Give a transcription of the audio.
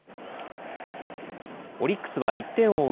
オリックスは１点を追う